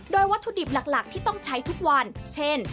โดยวัตถุดิบหลักที่ต้องใช้ทุกวันเช่น